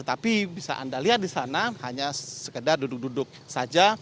tapi bisa anda lihat di sana hanya sekedar duduk duduk saja